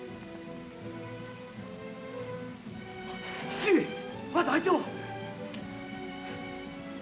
父上まだ相手は。